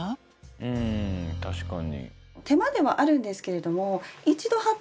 うん確かに。